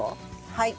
はい。